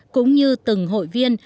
cũng như từng hội viên